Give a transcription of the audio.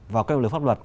và các lời pháp luật